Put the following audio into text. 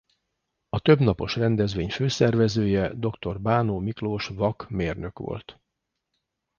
A több napos rendezvény főszervezője dr. Bánó Miklós vak mérnök volt.